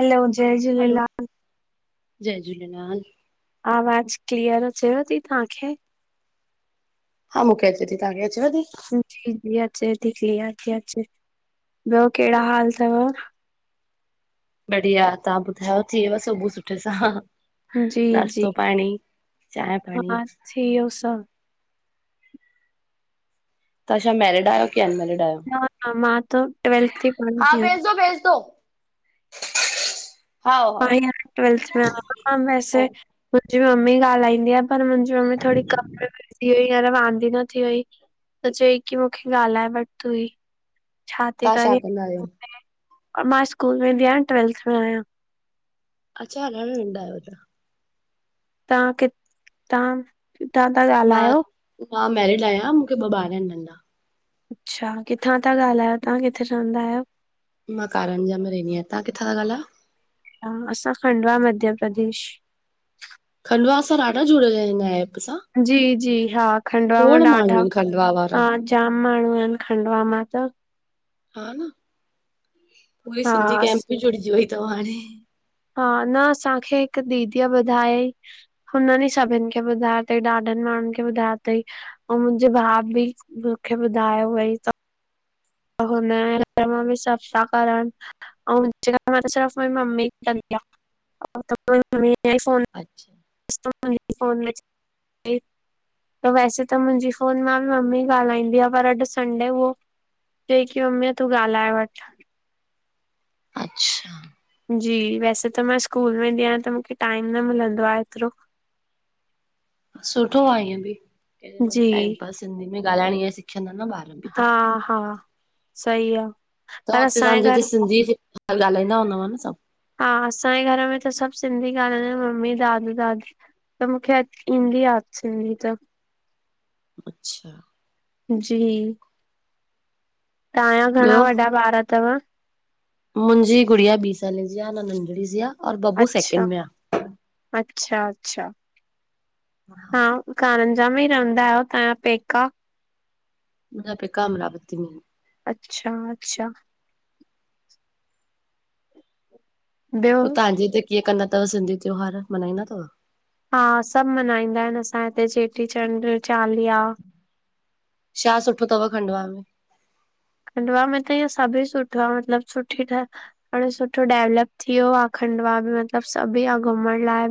हलो, जय हलो, झूलेलाल। जय झूलेलाल। आवाज क्लीअर अचेव ती तांखे? हा मूंखे अचे ती, तव्हांखे अचेव ती? जी -जी अचे ती, क्लीयर ती अचे, ॿियो कहिड़ा हाल तव? बढ़िया तां ॿुधायो? थी व सुबूह सुठे सां हां-हां, जी, जी, नास्तो पाणी, चाहिं पाणी। थीयो स तां छा मैरिड आयो, कि अन मैरिड? न, न मां त ट्वेल्थ थी पढ़ी हा आहियां, भेज दो, भेज दो, हाओ हाओ आई आं ट्वेल्थ आं- मां हाओ, मेसेज, मुजी मम्मी ॻाल्हाईंदी आ, पर मुंजी मम्मी थोड़ी काम विजी थी वई आ, त वांंदी द थी वई, त चई की मूंखे ॻाल्हाए वढ तूही, छा ती तव्हां करी? कंदा आहियो? मां स्कूल वेंदी आयां, ट्वेल्थ में आयां। अच्छा घर वेदां आयो तां, तव्हां कि तां तां-तां मां ॻाल्हायो? मां मैरिड आहियां, मूंखे ॿ ॿार आहिनि नंढा, अच्छा किथां ता ॻाल्हायो तहां किथे रहंदा आहियो? मां कारनिया मे रहींदी आंयां, तां किथां त ॻालायो? हा असां खंडवा मध्य प्रदेश। खंडवा सां ॾाढा जुड़ियल इन हिन ऐप सां, जी जी हा खंडवा मां खोड़ माण्हू ॾाढा आहिनि खंडवा वारा। हा जाम माण्हूं आहिन खंडवा मां त हा न पूरी हा सिंधी कैमप अस- बि जुड़जी वई थव हाणे हा न असांखे हिक्क दीदीअ ॿुधाय हुननि ई सभिन खे ॿुधायो थई ॾाढनि माण्हुनि खे ॿुधायो थई अव मुंहिंजे भाउ बि मूंखे ॿुधायो हुई सब हुन नम बि सफ़ा करणु। ऐंऊ मां त सिर् मुंहिंजी ममी कंदीीोन [unintelligible] अछा फोन में [inaudible] त वैसे त मुंहिंजी फोन मां मम्मी ॻाल्हाईंदी आ पर अॼु संडे हो जे की मम्मी तूं ॻाल्हाए वठ अच्छा। जी वैसे त मां स्कूल वेंदी आहियां त मूंखे टाइम न मिलंदो आहे एतिरो हा सुठो आहे ईअं बि जी टाइम पास सिंधी में ॻाल्हाइण ईअ सिखियंदा न ॿार बि त हा हा सही आ त पर हुते असांजे तव्हांजे हुते घर सिंधी ॻाल्हाईंदा हूंदाव न सब? हा असांजे घर में त सभु सिंधी ॻाल्हाईंदा ममी दादी दादी। त मूंखे ईंदी आहे सिंधी त अच्छा जी तव्हांजा घणा ॿियो वॾा ॿार थव? मुंहिंजी गुड़िया ॿी साले जी आहे न नंढड़ी जी आ। और बबू अच्छा सेकेंड में आ अच्छा अच्छा हा। करारंजा में ई रहंदा आहियो तव्हांजा पेका? मुंहिंजा पेका कमरावती मेंी। अचछा अच्छा ॿियो पो तव्हांजे हिे कीअं कंदा थव सिंधी त्योहार मनाईंदा थव हा सब मल्हाईंदा आहिन असांजे हिते चेटीचंड चालीहा। छा सुठो थव खंडवा में? खंडवा में त इअ सभुई सुठो आहे मतलब सुठी ठह हाणे सुठो डेवलप थी वियो आहे आ खंडवा बि मतलब सभी आ घुमण लाइ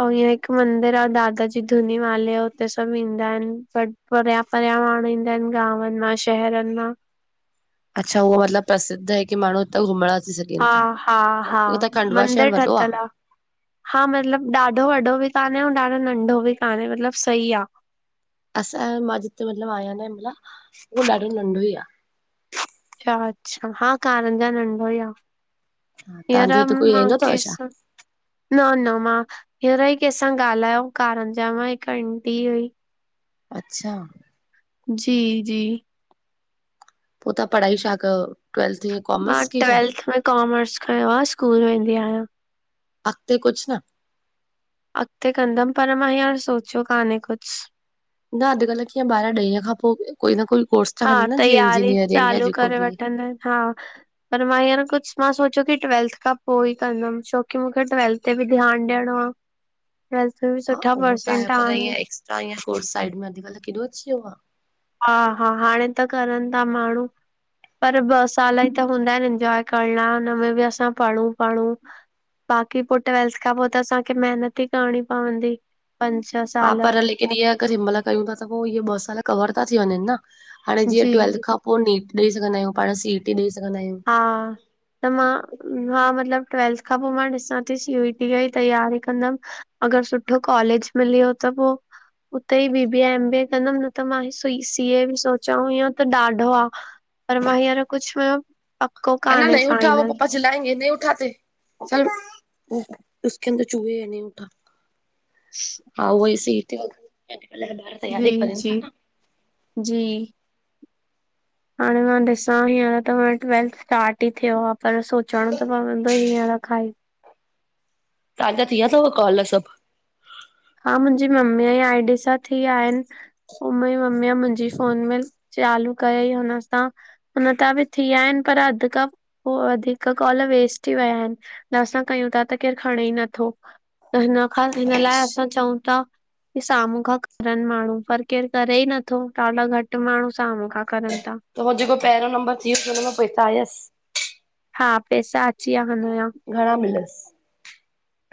अव ईअ हिक मंदर आहे दादा जी धुनी माले उते सब ईंदा आहिनि ब परया परण ईंदा आहिन गांव मां शहर मां। अच्छा उह मतलब परसिद् ह की माण्हू त घुमण अी सघॼी। हा हा हा मंदिर ठहिातल आ। हा मतलब ॾाढो वॾो बि कान्हे ऐं ॾाढो नंढो बि कान्हे मतलब सही आ। असां मां जिते मतलब आयां न मला उहो ॾाढो नंढो ई आ। अच्छा अच्छा हा कारनि ज नंढो ई आ। हियर तव्हांजे हुते कोई मां रहंदो अथव छा केसा? न न मां अहिड़ा ई कंहिंसां ॻाल्हायो कारनि जा मां हिक आंटी हुई। अच्छा जी जी पो त पढ़ाई छा कयो ट्वेल्थ ईअं मां कॉमर्स की छा ट्वेल्थ में कॉमर्स खयो आहे स्कूल वेंदी आहियां। अॻिते कुझु न? अॻिते कंदमि पर मां हयार सोचियो कान्हे कुझु। न अॼु कल्ह कीअं ॿारह ॾह खां पोइ कोई न कोई कोर्स था हा खणनि न जीअं तयारी इंजीनियरिंग या चालू जेको करे बि वठंदा आहिनि हा। पर मां हींअर कुझु मां सोचियो की ट्वेल्थ खां पोइ ई कंदमि छोकी मूंखे ट्वेल्थ उते बि ध्यानु ॾियणो आ। बि हा सुठा उहो आहे परसट पर आडु ईअं एक्स्ट्रा त साइड अुकल्ह केॾोची वियो आ। हा -हा हाणे त करनि था माण्हू। पर ॿ साल ई त हूंदा आहिनि इंजॉय करणा हुनमें बि असां पढ़ु- पढु बाक़ी पोइ ट्वैेल्थ खां पोइ त असांखे महिनत ई करणी पवंदी। पंच छ हा पर लेकिन इअ अ जंहिं महिल कयूं था त पोइ इहे ॿ साल कवर था थी वञनि न हाणे जीअं जी ट्वेल्थ खां पोइ नीट ॾेई सघंदा आहियूं पाण सी टी ॾेई सघंदा आहियूं हा त मां हा मतलब ट्वेल्थ खां पोइ मां ॾिसां थी सीईटी ई तयारी कंदमि। अगरि सुठो कॉलेज मिलियो त पोइ उते ई B B A M BA कंदमि न त मां सी ए बि सोचियां हअं हुत त ॾाढो आ। पर मां हींअर कुझु ॿियो ह न न उठा पपा चिलाइंगे न उठाते चल उक अंदर चूह हे नहीं उठा। [inaudible] हा उह ई सी ई टी जी तैयारी करनि जी था न जी। हाणे मां ॾिसां ह हाण त मुंहिंजो ट्वेल्थ स्टार्ट ई थियो आ। पर सोचणो त पवंदो हीअं र खाई। तहांजा थी वया अथव कॉल सभु? हा मुंहिंजी मम्मीअ जे आई डी सां थी आया आहिनि पोइ मुंहिंजी मम्मीअ मुंहिंजी फोन में। चालू कयई हुन सां हुन त बि थी विया आहिनि पर अध कप। उ वधीक कॉल वेस्ट थी विया आहिनि न असां कयूं था त केरु खणे ई नथो। त हिनख हिन लाइ असां चऊं था। की साम्हूं खां करनि माण्हू पर केरु करे ई नथो ॾाढा घटि माण्हू साम्हूं खां करनि था। त हो जेको पहिरों नंबर वियोसि हुन मां पोइ हिता आयसि। हा पैसा अची विया हुनजा। घणा मिलसि?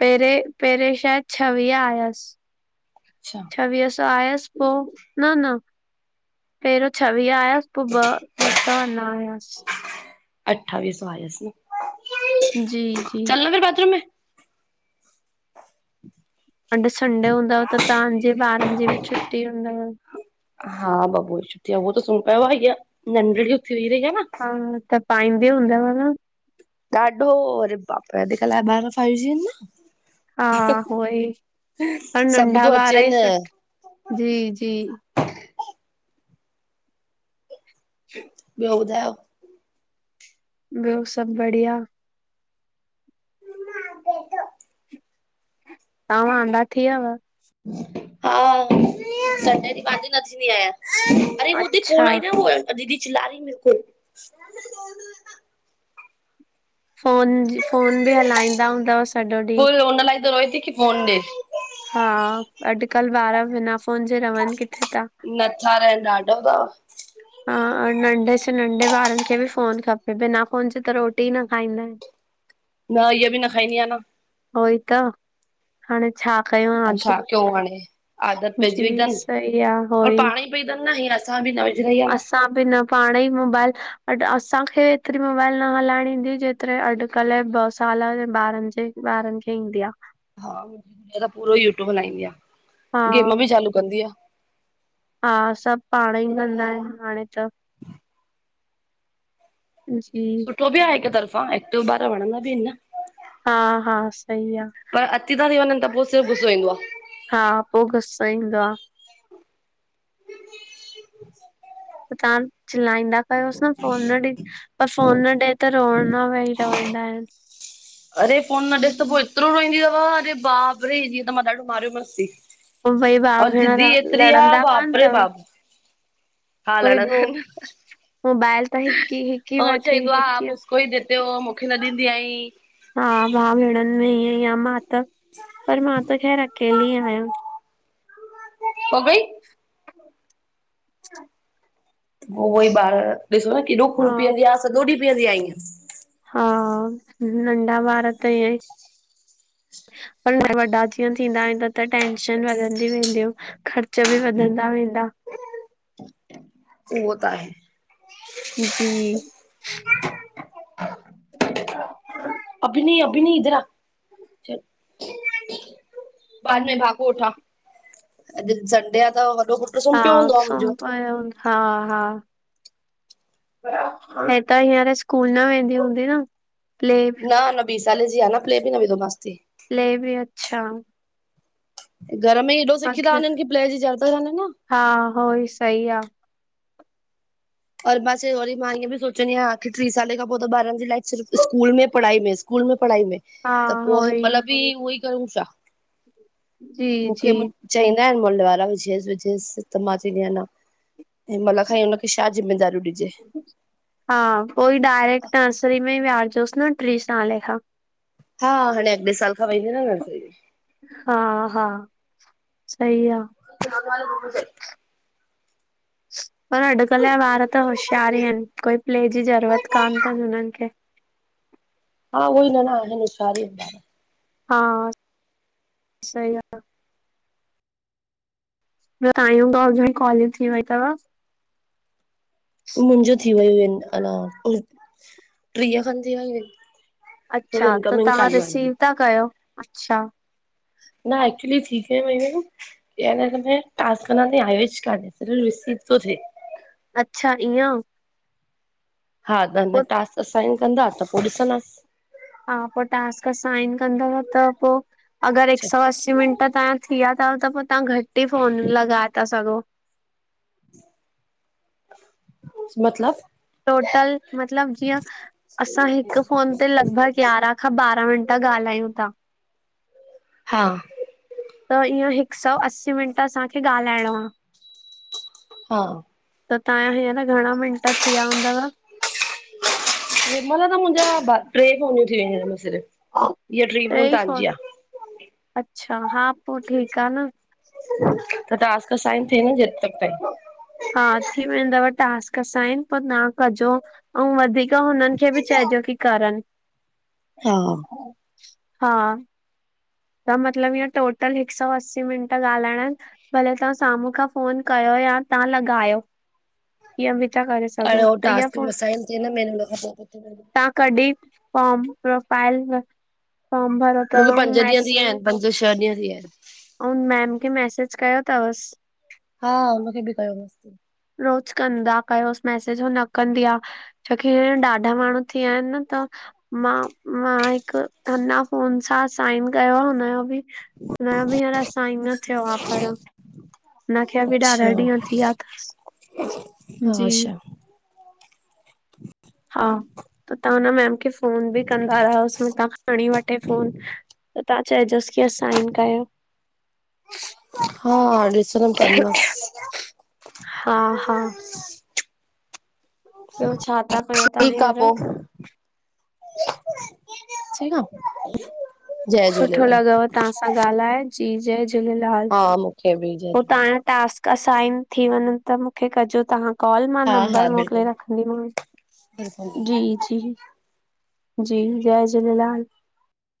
पहिरें पहिरें शायदि छवीह आयसि। अच्छा। छवीह सौ तवस आयसि पोइ न न। पहिरियों छवीह आयासीं पो ॿ ॿ सौ अञा आयासीं। अठावीह सौ आयस न। जी जी। बथरूम में। अॼु संडे हूंदव त तव्हांजे ॿारनि जी बि छुटी हूंदव? हा बबू ई छुटी आहे उहो त सुम्ह पियो आहे ह नंढड़ी उथी वेह रही आहे न। हा तपाई दी हूंदव न? ॾाढो करे बापरे अॼुकल्ह जा ॿार फाइव जी आहिन न। हा उ ई पर सभु नंढा थो ॿार ई अचेनि सुठ जी जी। [inaudible] ॿयो ॿुधायो? ॿयो सभ बढ़िया। तां वांंदा थी व्यव? हा, संडे ॾींह वांदी न थींदी आयां। अरे! वो उते फ़ोन अच्छा आई न, वो दीदी चिल्ला रई मेरे को। फ़ोन जी, फ़ोन बि हलाईंदा हूंदौस। उओई उन लाइ त रोए ती, की फ़ोन ॾे। हा, अॼकल ॿार बिना फ़ोन जे रहन किथे था? नचाराइन ॾाढो था। हा, नंढ़े से नंढ़े, ॿारन खे बि फ़ोन खपे, बिना फ़ोन जे त रोटी ई न खाईंदाइन। न, इह बि न खाईंदी आह न। उहोई त हाणे छा कयूं, हाणे आद छा कयूं हाणे आदत पइजी वई जी अथनि सही आ और होई, पाण ई पई अथनि न हीअं असां बि न विझराई आहे न असां बिना पाणई मोबाइल बट असांखे एतरी मोबाइल न हलाइण ईंदी हुई जेत तरे, अॼकल ॿ साल जे ॿारन जे ॿारन खे ईंदी आ। हा, हू हीअ त पूरो ई यूट्यूब हलाईंदी आ, हा गेम बि चालू कंदी आ। हा, सभ पाणई कंदा एन, हाणे त। जी तो बि आ हिक तरफ़ां, एक्टिव ॿार वणंदा बि एन न। हा हा, सई आ। पर, अती ता थी वञन, त पो सिर्फ़ गुसो ईंदो आ। हा, पो गुस्सो ईंदो आ। [inaudible] त, तां चल्लाईंदा कयोस न फ़ोन न ॾीं पर, फ़ोन न ॾे त रोअण मां वेही रहंदा एन। अरे, फ़ोन न ॾेस, त पो एतरो रोईंदी तव, अरे बाप रे, हींअर त मां ॾाढो मारयो मांस ती। पो ॿई भाउ और भेण जिदी एतरी आ, लड़ंदा कान बाप रे तव बाप। हा, कोई लड़ंदा ॿियो एन न, मोबाइल त हिकु ई हिकु ई हो वठी चईंदो हिकु आप उसको ई दे ते हो, मूंखे न ॾींदी आहीं। हा, भा भेणन में हींअंईं आ, मां त, पर मां त खैर अकेली आयां। [inaudible] पो उहोई ॿार, ॾिसो न केॾो खून हा पीअंदी आ, सॼो ॾींह पीअंदी आ हा, नंढ़ा ॿार त ईंयंईं पर, वॾा जीअं थींदा वेंदा, त टेंशन वधंदी वेंदयूं। ख़र्च बि वधंदा वेंदा। उहो त आहे। जी [inaudible] अभी नहीं, अभी नही, इधर आ। बाद में, भा को उठा। अॼ संडे आ त वॾो कु हा, सुमपयो हूंदो, हा हा हे त, हींअर स्कूल न वेंदी हूंदी न? प्ले न न, ॿीं सालें जी आ न, प्ले बि न विधो मांस ती। ले बि अच्छा। घर में ई हेएॾो अ सिखी था वञनि की प्ले जी ज़रुत कान तन न। हा हो ई सही आ। और मासी बि वरी मां ईअं बि सोचंदी आहिया, की टी साले खां पोइ त ॿारनि जी लाइफ सिर्फ़ स्कूल में पढ़ाई में स्कूल में पढ़ाई में। हा त हो पोइ हिन ई महिल बि उहई कयूं छा जी मुखे जी चईंदा आहिन मुल वारा पुछेस पुछेस त मां च‌ईंदी कयां न, हि मल खाईंदा कुछ। छा ज़िमेदारियूं ॾिजे? हा पोई डायरेक्ट नर्सरी में विहारजोसि न टी साले खां। हा हाणे अॻिले साल खां वेंदो न नर्सरी में। हा, हा सही आ। त घ [unintelligible] हा [inaudible] पर अॼुकल्ह जा ॿार त होशियार ई आहिन, कोई प्ले जी ज़रूरत कान अथनि हुननि खे। हा उअई न न सभ होशियार ई अन ॿार। हा सही आहे। अञा तांजियूं घण्यूं कालयूं थी वई अथव? मुंहिंजू थी वयू आहिन, अञा टीह खनि थी वयू आहिन। अच्छा त तहां रिसीव था कयो? अच्छा। न एक्चुली थी ते वयूं। त टासकन आज के शरीर र थो थ [unintelligible] अच्छा ईअंउ। हा त न टास्क असाइन कंदा त पोइ ॾिसंदासि। हा पोइ टास्क असाइन कंदव त पोइ अगरि हिक सौ अस्सी मिंट तहां थी विया अथव त पोइ तहां घटि ई फोन लॻाए ता सघो। मतलब टोटल मतलब जीअं असां हिकु फ़ोन ते लगभग यारहां खां ॿारहां मिंट ॻाल्हायूं ता। हा। त इअं हिक सौ अस्सीं मिंट असांखे ॻाल्हाइणो आ। हा। त तहांजा हींअर घणा मिंट थी विया हूंदव? हिनमहिल त मुंहिंजा ॿ टे फोनियूं थी वेंदूं आहिन सिर्फ़। इहा टी टे ई फोन तव्हांजी आहे अच्छा, हा पोइ ठीकु आ न। त टास्क असाइन [unintelligible] थ न ज त त हा थी वेंदव टास्क असाइन परि न कजो, अऊं वधीक त हुननि खे बि चइजो की करनि। हा। हा। त मतलबु इअं टोटल हिक सौ अस्सी मिंट ॻाल्हाइणा भले तहां साम्हूं खां फोन कयो या तहां लगायो इअ बि ता करे सघ अ हो टास्क असाइन थिए न म तव्हां कॾहिं फॉर्म प्रोफाइल मां फॉर्म भरयो मूंखे पंज अथव? थी ॾींहं विया आहिन पंज छह ॾींह थी विया आहिन। अउं मेम खेे मैसेज कयो अथवसि? हा हुनखे बि कयो मैसेज। रोज़ कंदा कयोसि मैसेज, हू न कंदी आ। छोकी हीं ॾाढा माण्हू थी विया आहिनि न त मां, मां हिकु अञा फोन सां साइन कयो आ हुनजो बि न बि हींअर असां ई न थियो आ पर हुनखे बि ॾाहा ॾींहं अच्छा थी विया तस, हा अच्छा हा, त तव्हां हुन मैम खे फ़ोन बि कंदा रहियासि मता तव्हां खणी वठे फ़ोन। त तव्हां चइजोसि की असाइन कयो। हा ॾिसनम कंनदस हा-हा ॿियो छा था कयो तव्हां ठीकु आ हींअर? पो [inaudible] [unintelligible] जय सुठो झूलेलाल लगव तव्हां सां ॻाल्हाए जी जयझ झूलेलाल हा मूंखे बि जय पोइ झूलेलाल। तव्हांजा टास्क असाइन थी वञनि त मूंखे कजो तव्हां कॉल मां हा हा नंबर मोकिले बिल्कुलु रखंदीमांव बिल्कुलु जी-जी बिल्कुलु। जी जय झूलेलाल।